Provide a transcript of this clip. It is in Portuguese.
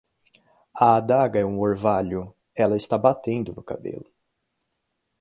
A adaga é um orvalho, ela está batendo no cabelo.